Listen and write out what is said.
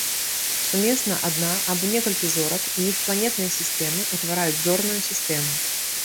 Сумесна адна або некалькі зорак і іх планетныя сістэмы ўтвараюць зорную сістэму.